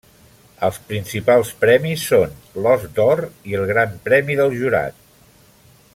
Els principals premis són l'Ós d'Or i el Gran Premi del Jurat.